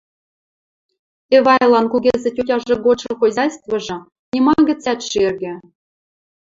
Эвайлан кугезӹ тьотяжы годшы хозяйствыжы нима гӹцӓт шергӹ.